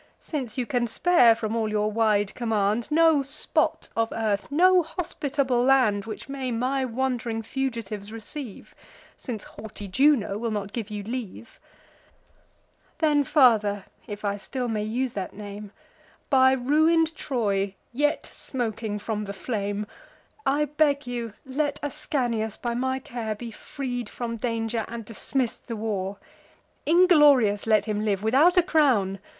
Since you can spare, from all your wide command, No spot of earth, no hospitable land, Which may my wand'ring fugitives receive; (Since haughty Juno will not give you leave;) Then, father, (if I still may use that name,) By ruin'd Troy, yet smoking from the flame, I beg you, let Ascanius, by my care, Be freed from danger, and dismiss'd the war: Inglorious let him live, without a crown.